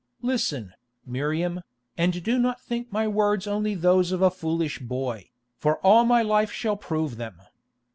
Listen, Miriam, and do not think my words only those of a foolish boy, for all my life shall prove them.